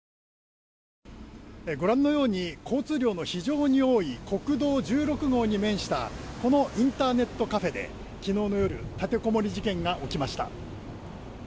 ご覧のように交通量が非常に多い国道１６号に面したインターネットカフェで昨日の夜立てこもり事件が起きました。